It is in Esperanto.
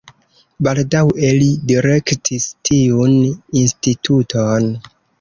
Baldaŭe li direktis tiun instituton.